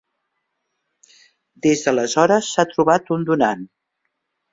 Des d'aleshores s'ha trobat un donant.